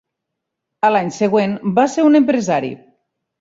A l'any següent, va ser un empresari.